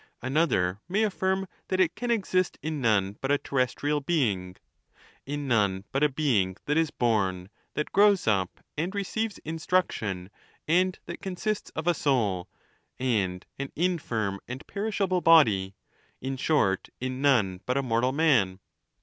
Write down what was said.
Another may affirm that it can exist in none but a terrestrial being; in none but a being that is born, that grows up, and receives instruction, and that consists of a soul, and an infirm and perishable body; in short, in none but a mortal man.